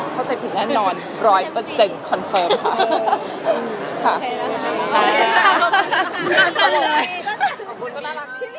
เข้าใจผิดแน่นอนร้อยเปอร์เซ็นต์คอนเฟิร์มค่ะ